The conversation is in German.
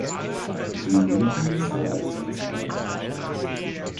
Minuten zum Einsatz kam.